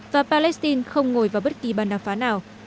và palestine không ngồi vào bất kỳ bàn đà phá nào